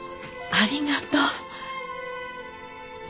ありがとう！